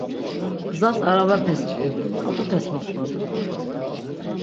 Gzas arabape stun, ǩat̆upes moxvadu.